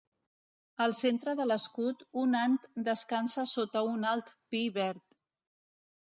Al centre de l'escut un ant descansa sota un alt pi verd.